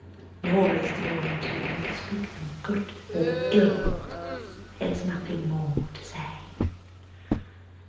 Nor is there one today To speak them good or ill: There is nothing more to say.